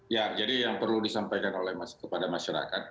ya jadi yang perlu disampaikan kepada masyarakat